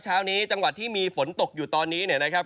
เช้านี้จังหวัดที่มีฝนตกอยู่ตอนนี้เนี่ยนะครับ